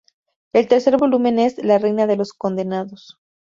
El tercer volumen es, "La Reina de los Condenados".